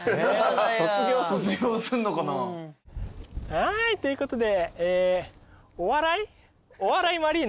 はいということで。